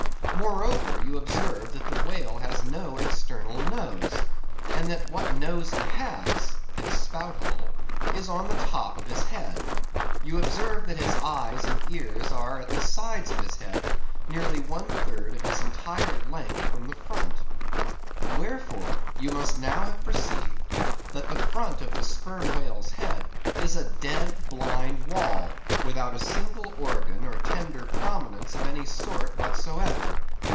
Moreover you observe that the whale has no external nose; and that what nose he has—his spout hole—is on the top of his head; you observe that his eyes and ears are at the sides of his head, nearly one third of his entire length from the front. Wherefore, you must now have perceived that the front of the Sperm Whale's head is a dead, blind wall, without a single organ or tender prominence of any sort whatsoever.